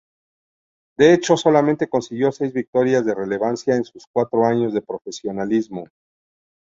De hecho, solamente consiguió seis victorias de relevancia en sus cuatro años de profesionalismo.